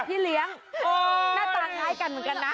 หน้าตาน่ากันเหมือนกันนะ